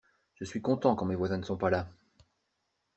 Je suis content quand mes voisins ne sont pas là.